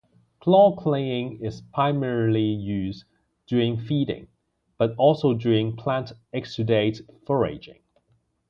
Claw-clinging is primarily used during feeding, but also during plant exudate foraging.